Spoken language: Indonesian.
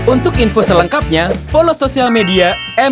untuk info selengkapnya follow sosial media mnc games